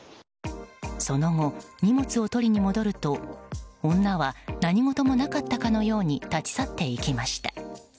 その後、荷物を取りに戻ると女は何事もなかったかのように立ち去っていきました。